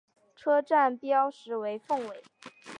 车站标识为凤尾。